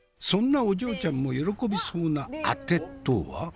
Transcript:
そんなお嬢ちゃんも喜びそうなあてとは？